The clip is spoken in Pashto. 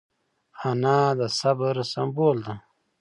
انا د صبر سمبول ده